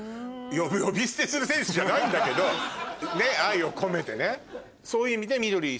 呼び捨てする選手じゃないんだけど愛を込めてね。